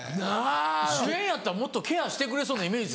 主演やったらもっとケアしてくれそうなイメージ。